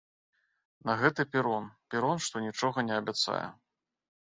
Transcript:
На гэты перон, перон, што нічога не абяцае.